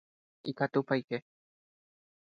Ikatúpa aike.